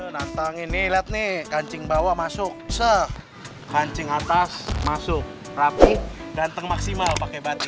nantang ini liat nih kancing bawah masuk seh kancing atas masuk rapi ganteng maksimal pake batik